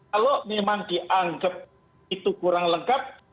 kalau memang dianggap itu kurang lengkap